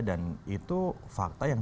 dan itu fakta yang menarik you know